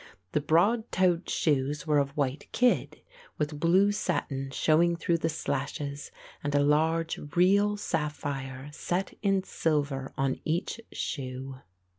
The broad toed shoes were of white kid, with blue satin showing through the slashes, and a large real sapphire set in silver on each shoe.